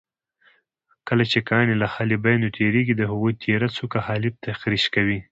کله چې کاڼي له حالبینو تېرېږي د هغوی تېره څوکه حالب تخریش کوي.